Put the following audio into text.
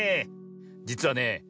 じつはね